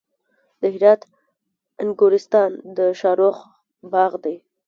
د هرات انګورستان د شاهرخ باغ دی